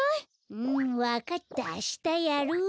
うんわかったあしたやる。